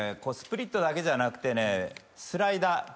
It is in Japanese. スプリットだけじゃなくてスライダー。